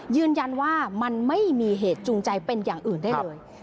ยืนยันว่ามันไม่มีเหตุจูงใจเป็นอย่างอื่นได้เลย